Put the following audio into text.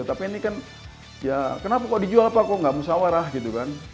tapi ini kan ya kenapa kok dijual apa kok gak musawarah gitu kan